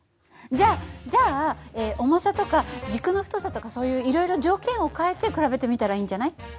じゃじゃあ重さとか軸の太さとかそういういろいろ条件を変えて比べてみたらいいんじゃない？